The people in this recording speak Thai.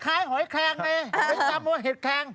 คล้ายหอยแคลงไงไม่จำว่าเห็ดแคลง